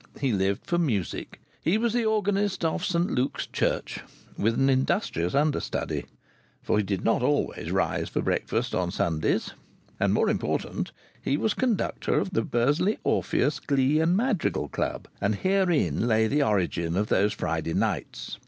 He lived for music. He was organist of Saint Luke's Church (with an industrious understudy for he did not always rise for breakfast on Sundays) and, more important, he was conductor of the Bursley Orpheus Glee and Madrigal Club. And herein lay the origin of those Friday nights.